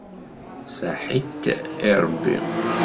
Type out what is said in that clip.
Ṣaḥit i Ṛebbi.